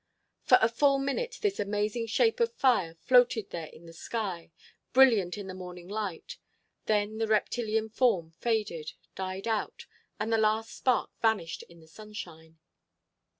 For a full minute this amazing shape of fire floated there in the sky, brilliant in the morning light, then the reptilian form faded, died out, and the last spark vanished in the sunshine.